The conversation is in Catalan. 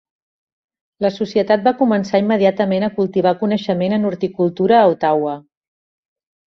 La Societat va començar immediatament a cultivar coneixement en horticultura a Ottawa.